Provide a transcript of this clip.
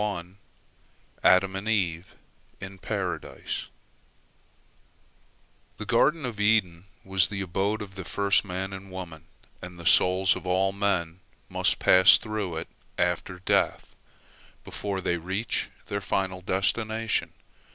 ADAM AND EVE IN PARADISE The Garden of Eden was the abode of the first man and woman, and the souls of all men must pass through it after death, before they reach their final destination.